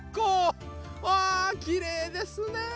うわきれいですね